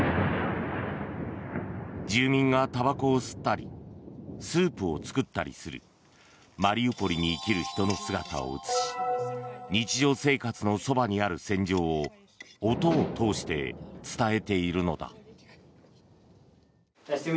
住民がたばこを吸ったりスープを作ったりするマリウポリに生きる人の姿を映し日常生活のそばにある戦場を音を通して伝えているのだ。